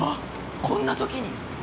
こんな時に？